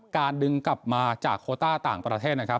ดึงกลับมาจากโคต้าต่างประเทศนะครับ